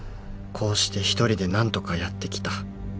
こうして一人でなんとかやってきた